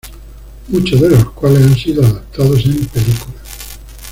Muchos de los cuales han sido adaptados en películas.